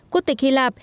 quốc tịch hy lạp